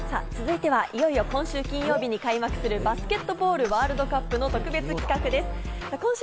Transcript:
続いては、いよいよ今週金曜日に開幕するバスケットボールワールドカップの特別企画です。